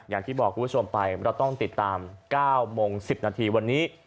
อย่างที่บอกคุณผู้ชมไปเราต้องติดตาม๙โมง๑๐นาทีวันนี้